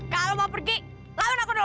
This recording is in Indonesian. kalau mau pergi lawan aku dulu